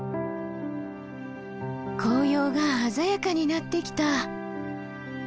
紅葉が鮮やかになってきた。